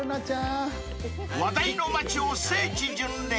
［話題の町を聖地巡礼］